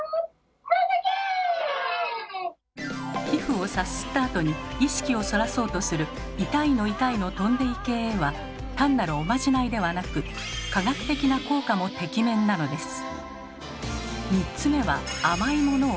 皮膚をさすったあとに意識をそらそうとする「痛いの痛いの飛んでいけ」は単なるおまじないではなく科学的な効果もてきめんなのです。